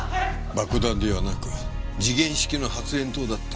爆弾ではなく時限式の発炎筒だった。